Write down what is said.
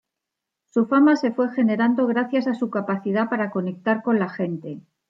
Su fama se fue generando gracias a su capacidad para conectar con la gente.